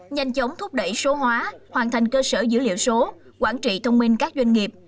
nhanh chóng thúc đẩy số hóa hoàn thành cơ sở dữ liệu số quản trị thông minh các doanh nghiệp